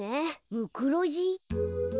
ムクロジ？